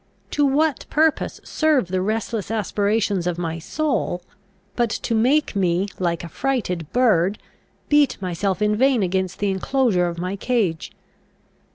To what purpose serve the restless aspirations of my soul, but to make me, like a frighted bird, beat myself in vain against the enclosure of my cage?